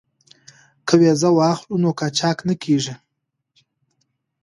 که ویزه واخلو نو قاچاق نه کیږو.